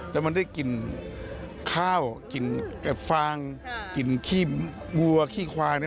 แล้วมันได้กลิ่นข้าวกลิ่นฟางกลิ่นขี้วัวขี้ควาย